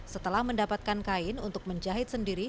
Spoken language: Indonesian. setelah mendapatkan kain untuk menjahit sendiri